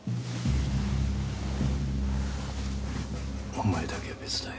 お前だけは別だよ。